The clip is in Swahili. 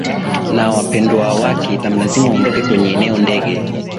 na wapendwa wake itamlazimu aondoke kwenye eneo ndege